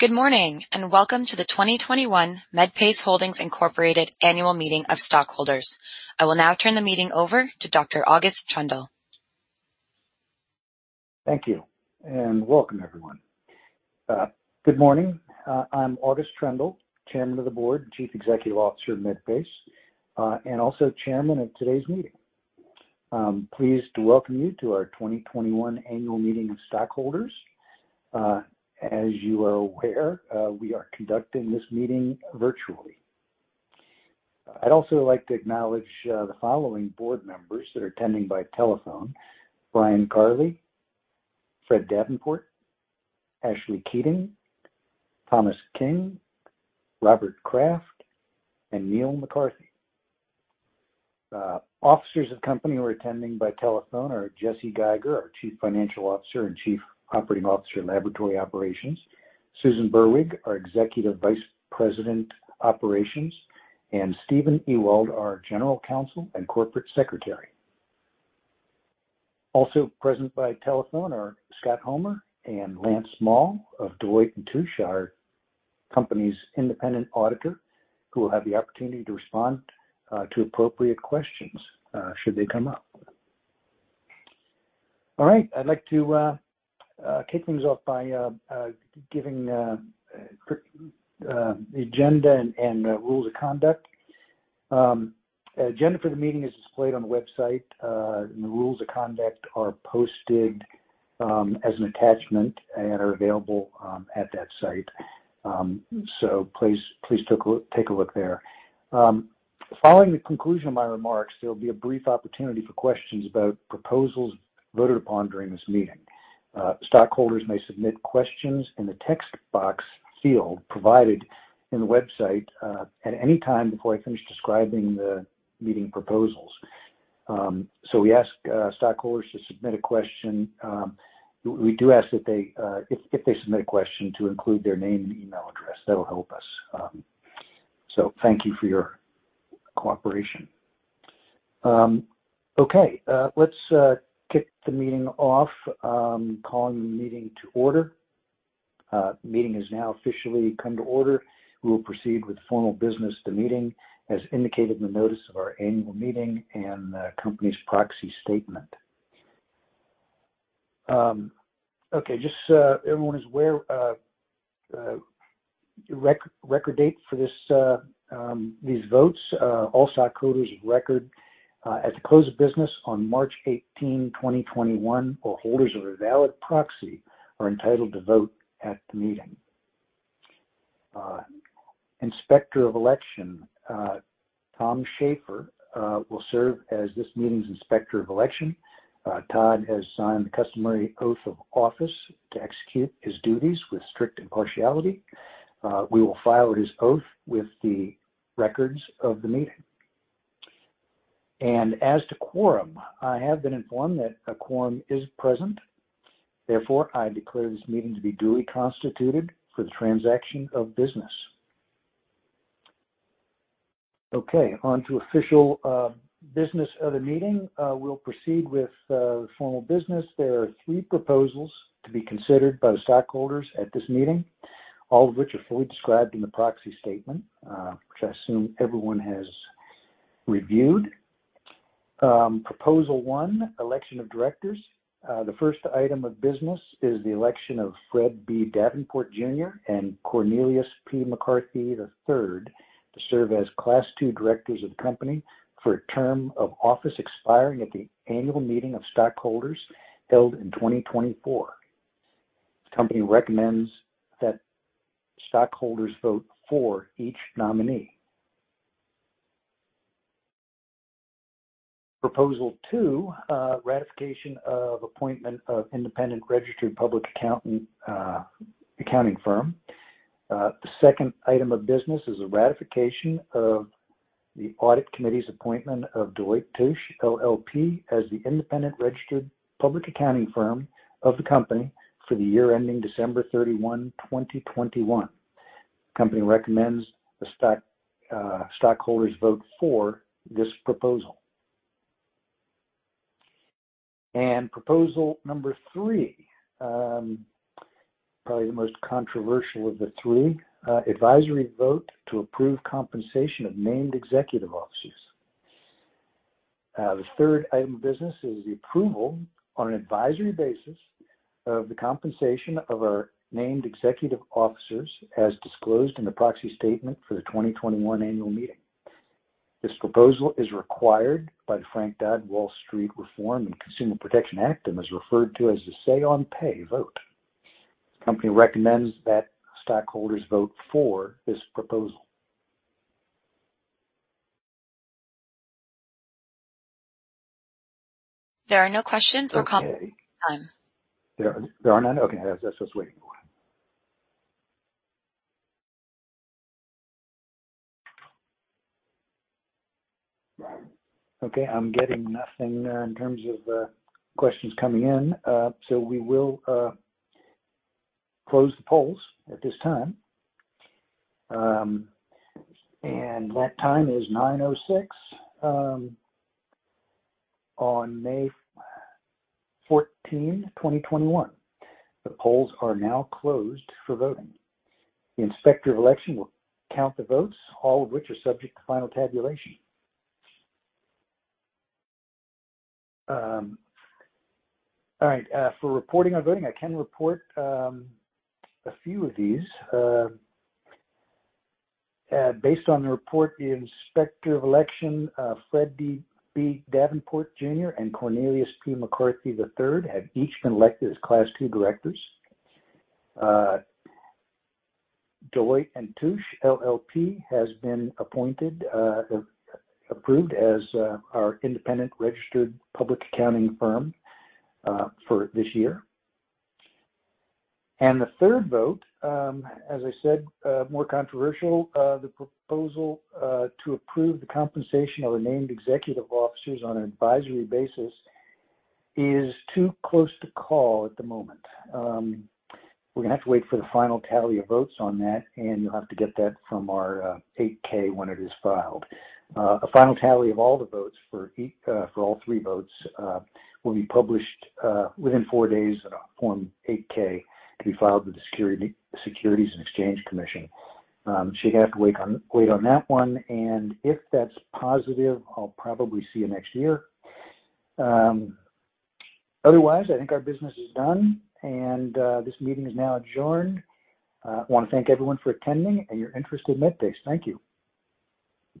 Good morning and welcome to the 2021 Medpace Holdings Inc Annual Meeting of Stockholders. I will now turn the meeting over to Dr. August Troendle. Thank you and welcome, everyone. Good morning. I'm August Troendle, Chairman of the Board, Chief Executive Officer, Medpace, and also Chairman of today's meeting. Pleased to welcome you to our 2021 Annual Meeting of Stockholders. As you are aware, we are conducting this meeting virtually. I'd also like to acknowledge the following board members that are attending by telephone: Brian Carley, Fred Davenport, Ashley Keating, Thomas King, Robert Kraft, and Cornelious McCarthy. Officers of the company who are attending by telephone are Jesse Geiger, our Chief Financial Officer and Chief Operating Officer, Laboratory Operations, Susan Burwig, our Executive Vice President, Operations, and Stephen Ewald, our General Counsel and Corporate Secretary. Also present by telephone are Scott Homer and Lance Small of Deloitte & Touche, the company's independent registered public accounting firm, who will have the opportunity to respond to appropriate questions should they come up. All right, I'd like to kick things off by giving the agenda and rules of conduct. The agenda for the meeting is displayed on the website. The rules of conduct are posted as an attachment and are available at that site, so please take a look there. Following the conclusion of my remarks, there will be a brief opportunity for questions about proposals voted upon during this meeting. Stockholders may submit questions in the text box field provided in the website at any time before I finish describing the meeting proposals. We ask stockholders to submit a question. We do ask that if they submit a question to include their name and email address, that will help us. Thank you for your cooperation. Okay, let's kick the meeting off. Calling the meeting to order. The meeting has now officially come to order. We will proceed with formal business of the meeting as indicated in the notice of our annual meeting and the company's proxy statement. Just so everyone is aware, record date for these votes: all stockholders of record at the close of business on March 18, 2021, or holders of a valid proxy are entitled to vote at the meeting. Inspector of Election Tom Schaefer will serve as this meeting's Inspector of Election. Tom has signed the customary oath of office to execute his duties with strict impartiality. We will file his oath with the records of the meeting. As to quorum, I have been informed that a quorum is present. Therefore, I declare this meeting to be duly constituted for the transaction of business. Okay, on to official business of the meeting. We'll proceed with formal business. There are three proposals to be considered by the stockholders at this meeting, all of which are fully described in the proxy statement which I assume everyone has reviewed. Proposal one, Election of Directors. The first item of business is the election of Fred B. Davenport Jr. and Cornelius P. McCarthy III to serve as Class 2 directors of the company for a term of office expiring at the annual meeting of stockholders held in 2024. The company recommends that stockholders vote for each nominee. Proposal 2. Ratification of appointment of independent registered public accounting firm. The second item of business is a ratification of the audit committee's appointment of Deloitte & Touche LLP as the independent registered public accounting firm of the company for the year ending December 31, 2021. The company recommends the stockholders vote for this proposal. Proposal number three, probably the most controversial of the three, advisory vote to approve compensation of named executive officers. The third item of business is the approval on an advisory basis of the compensation of our named executive officers as disclosed in the proxy statement for the 2021 annual meeting. This proposal is required by the Dodd-Frank Wall Street Reform and Consumer Protection Act and is referred to as the say on pay vote. The company recommends that stockholders vote for this proposal. There are no questions or comments. There are none. Okay, that's what's waiting for. Okay, I'm getting nothing there in terms of the questions coming in. We will close the polls at this time, and that time is 09:06 A.M. on May 14, 2021. The polls are now closed for voting. The Inspector of Election will count the votes, all of which are subject to final tabulation. All right. For reporting on voting, I can report a few of these. Based on the report of the Inspector of Election, Fred B. Davenport Jr. and Cornelius P. McCarthy III have each been elected as Class 2 directors. Deloitte & Touche LLP has been approved as our independent registered public accounting firm for this year. The third vote, as I said, more controversial, the proposal to approve the compensation of named executive officers on an advisory basis is too close to call at the moment. We have to wait for the final tally of votes on that, and you'll have to get that from our Form 8-K when it is filed. A final tally of all the votes for all 3 votes will be published within 4 days in Form 8-K to be filed with the Securities and Exchange Commission. You have to wait on that one. If that's positive, I'll probably see you next year. Otherwise, I think our business is done, and this meeting is now adjourned. I want to thank everyone for attending and your interest in Medpace. Thank you.